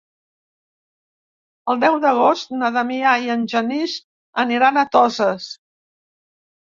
El deu d'agost na Damià i en Genís aniran a Toses.